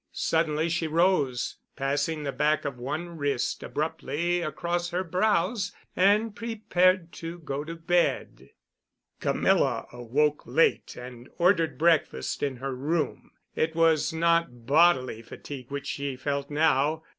Suddenly she rose, passing the back of one wrist abruptly across her brows, and prepared to go to bed. Camilla awoke late and ordered breakfast in her room. It was not bodily fatigue which she felt now.